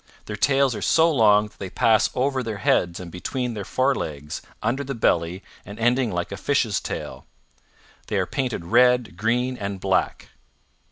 Their tails are so long that they pass over their heads and between their forelegs, under the belly, and ending like a fish's tail. They are painted red, green, and black.'